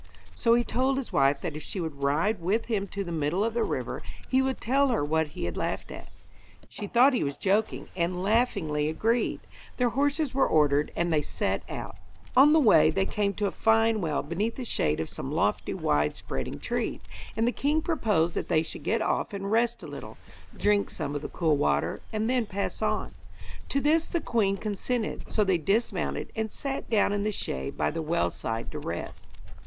So he told his wife that if she would ride with him to the middle of the river he would tell her what he had laughed at. She thought he was joking, and laughingly agreed; their horses were ordered and they set out. [Illustration: THE KING LAUGHS AT THE BILLYGOAT] On the way they came to a fine well beneath the shade of some lofty, wide spreading trees, and the king proposed that they should get off and rest a little, drink some of the cool water, and then pass on. To this the queen consented; so they dismounted and sat down in the shade by the well side to rest.